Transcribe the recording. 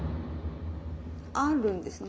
あるんですね？